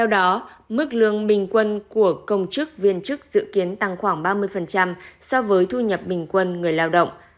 viên chức dự kiến tăng khoảng ba mươi so với thu nhập bình quân người lao động